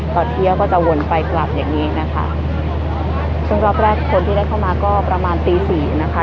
ตอนเที่ยวก็จะวนไปกลับอย่างงี้นะคะช่วงรอบแรกคนที่ได้เข้ามาก็ประมาณตีสี่นะคะ